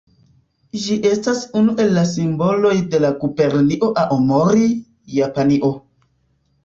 Ĝi estas unu el la simboloj de la Gubernio Aomori, Japanio.